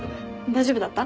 大丈夫だった？